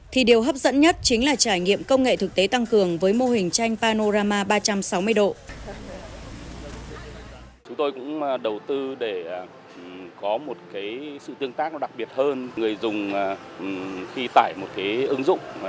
thì điều hấp dẫn nhất chính là trải nghiệm công nghệ thực tế tăng cường với mô hình tranh panorama ba trăm sáu mươi độ